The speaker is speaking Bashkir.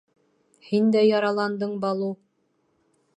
Һин дә яраландың, Балу.